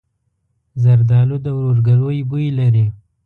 زردالو د ورورګلوۍ بوی لري.